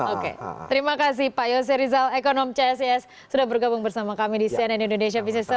oke terima kasih pak yose rizal ekonom csis sudah bergabung bersama kami di cnn indonesia business